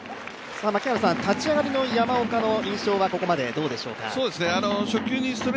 立ち上がりの山岡の印象はここまでどうでしょうか？